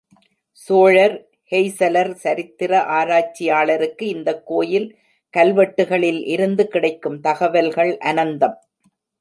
சோழர் ஹொய்சலர் சரித்திர ஆராய்ச்சியாளருக்கு இந்தக் கோயில் கல்வெட்டுக்களில் இருந்து கிடைக்கும் தகவல்கள் அனந்தம்.